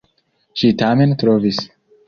Ŝi tamen trovis!